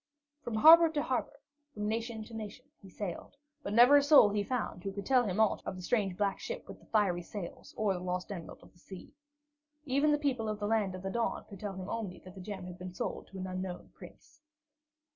From harbor to harbor, from nation to nation, he sailed, but never a soul he found who could tell him aught of the strange black ship with the fiery sails or the lost Emerald of the Sea. Even the people of the Land of the Dawn could tell him only that the gem had been sold to an unknown prince.